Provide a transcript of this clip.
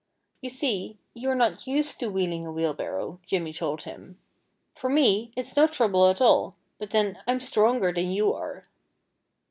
"You see, you're not used to wheeling a wheelbarrow," Jimmy told him. "For me, it's no trouble at all. But then, I'm stronger than you are."